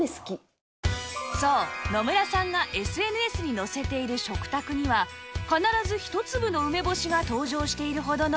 そう野村さんが ＳＮＳ にのせている食卓には必ず１粒の梅干しが登場しているほどの梅干し好き